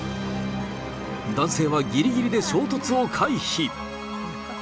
男性はぎりぎりで衝突を回避。